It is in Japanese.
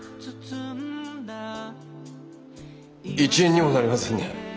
一円にもなりませんね。